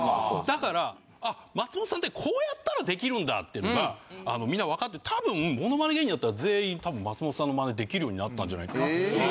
だから松本さんってこうやったらできるんだっていうのがみんなわかって多分モノマネ芸人だったら全員多分松本さんのマネできるようになったんじゃないかなっていう。